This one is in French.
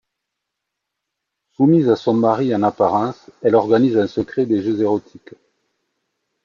Soumise à son mari en apparence, elle organise en secret des jeux érotiques.